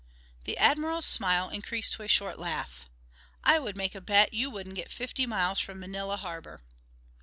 The Admiral's smile increased to a short laugh. "I would make a bet you wouldn't get fifty miles from Manila harbor."